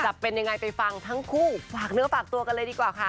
จะเป็นยังไงไปฟังทั้งคู่ฝากเนื้อฝากตัวกันเลยดีกว่าค่ะ